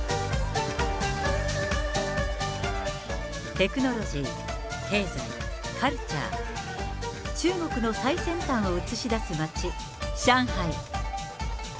テクノロジー、経済、カルチャー、中国の最先端を映し出す街、上海。